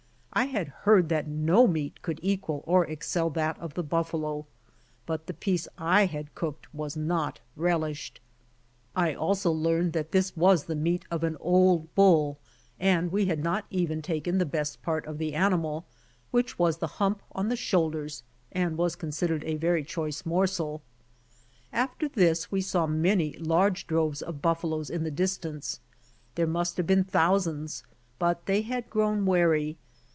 I had heard that no meat could equal or excel that of the buffalo, but the piece I had cooked was not relished. I also learned that this was the meat of an old bull, and we had not even taken the best part of the animal, which 26 BY ox TEAM TO CALIFORNIA was the hurap on the shoulders and was considered a very choice morsel. After this we saw many large droves of buffaloes in the distance. There must have been thousands, but they had grown wary.